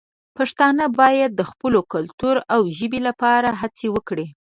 پښتانه باید د خپل کلتور او ژبې لپاره هڅې وکړي.